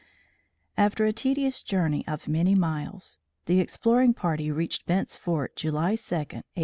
After a tedious journey of many miles, the exploring party reached Bent's Fort July 2, 1844.